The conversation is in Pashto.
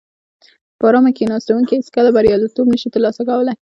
په ارامه کیناستونکي هیڅکله بریالیتوب نشي ترلاسه کولای.